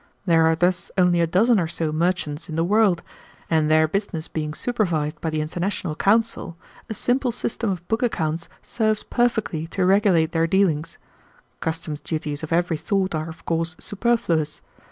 There are thus only a dozen or so merchants in the world, and their business being supervised by the international council, a simple system of book accounts serves perfectly to regulate their dealings. Customs duties of every sort are of course superfluous.